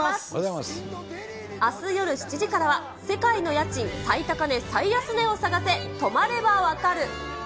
あす夜７時からは、世界の家賃最高値最安値を探せ、泊まればわかる！